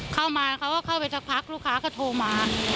เขาก็เข้าไปสักพักลูกค้าก็โทรมา